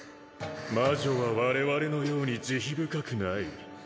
魔女は我々のように慈悲深くない